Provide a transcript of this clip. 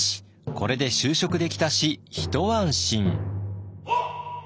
これで就職できたし一安心。